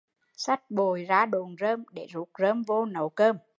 Xách bội ra độn rơm để rút rơm vô nấu cơm